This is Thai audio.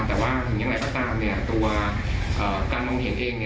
แต่ว่าถึงอย่างไรก็ตามตัวการมองเห็นเอง